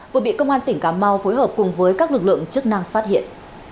vừa bị công an tỉnh cà mau phối hợp cùng với các lực lượng chức năng phát hiện